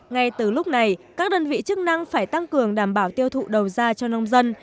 ngay từ lúc này các đơn vị chức năng phải tăng cường đảm bảo tiêu thụ đầu ra cho nông dân